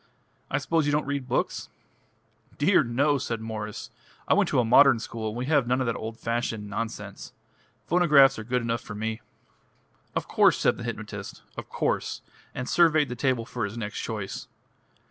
I suppose you don't read books?" "Dear, no!" said Mwres, "I went to a modern school and we had none of that old fashioned nonsense. Phonographs are good enough for me." "Of course," said the hypnotist, "of course"; and surveyed the table for his next choice.